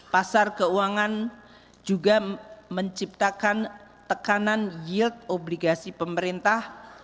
pasar keuangan juga menciptakan tekanan yield obligasi pemerintah